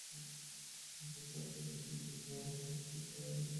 কলেজের ছাত্ররা যারা নিয়মিত মাদক সেবন করে, তারা কীভাবে সংগ্রহ করে খুঁজে বের কর।